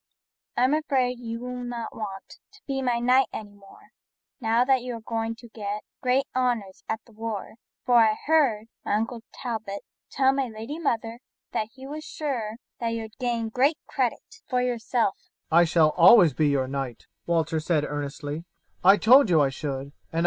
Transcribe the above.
I am afraid you will not want to be my knight any more, now that you are going to get great honours at the war; for I heard my Uncle Talbot tell my lady mother that he was sure you would gain great credit for yourself."